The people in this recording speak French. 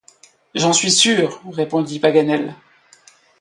J’en suis sûr! répondit Paganel.